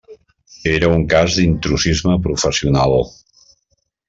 Era un cas d'intrusisme professional.